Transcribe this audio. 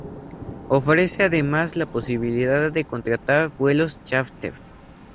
Ofrece además la posibilidad de contratar vuelos chárter.